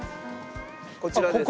こちらです。